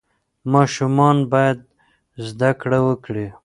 ماشومان باید زده کړه وکړي.